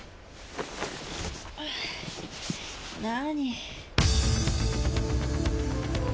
何？